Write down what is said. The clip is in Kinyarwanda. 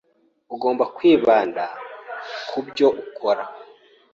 Ugomba kwibanda ku byo ukora.